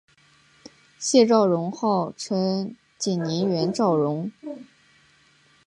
谢昭容号称景宁园昭容。